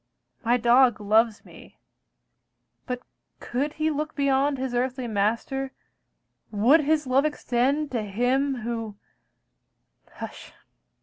My dog loves me, but could he look beyond His earthly master, would his love extend To Him who hush!